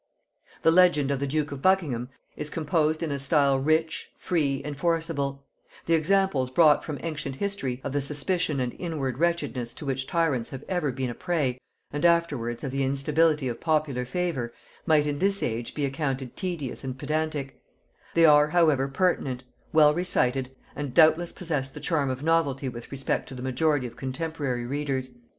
The legend of the duke of Buckingham is composed in a style rich, free and forcible; the examples brought from ancient history, of the suspicion and inward wretchedness to which tyrants have ever been a prey, and afterwards, of the instability of popular favor, might in this age be accounted tedious and pedantic; they are however pertinent, well recited, and doubtless possessed the charm of novelty with respect to the majority of contemporary readers.